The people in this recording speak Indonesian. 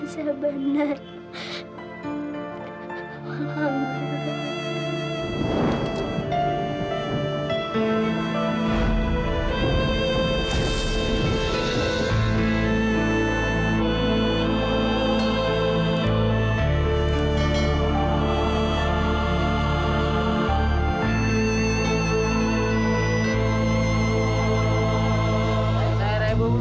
kami berdoa di dunia ini